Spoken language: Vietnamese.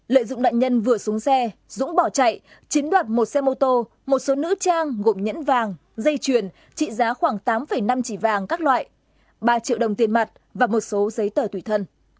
lợi dụng nạn nhân vừa xuống xe dũng bỏ chạy chiếm đoạt một xe mô tô một số nữ trang gồm nhẫn vàng dây chuyền trị giá khoảng tám năm chỉ vàng các loại ba triệu đồng tiền mặt và một số giấy tờ tùy thân